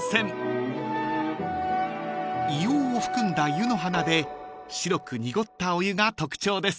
［硫黄を含んだ湯の花で白く濁ったお湯が特徴です］